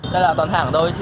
đây là toàn hàng đôi chị